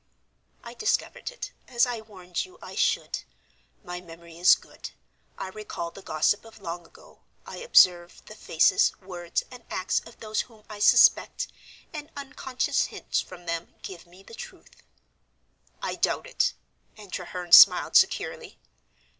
"I discovered it, as I warned you I should. My memory is good, I recall the gossip of long ago, I observe the faces, words, and acts of those whom I suspect, and unconscious hints from them give me the truth." "I doubt it," and Treherne smiled securely.